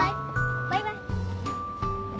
バイバイ。